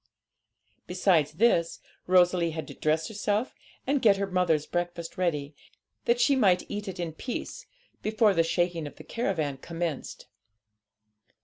Besides this, Rosalie had to dress herself and get her mother's breakfast ready, that she might eat it in peace before the shaking of the caravan commenced.